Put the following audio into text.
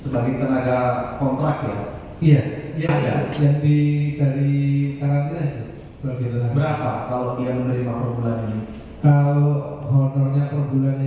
berapa kalau dia menerima per bulan ini